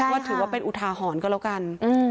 ว่าถือว่าเป็นอุทาหรณ์ก็แล้วกัน